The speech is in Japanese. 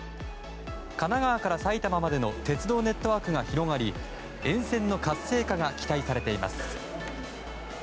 神奈川から埼玉までの鉄道ネットワークが広がり沿線の活性化が期待されています。